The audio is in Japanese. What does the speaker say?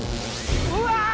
うわ！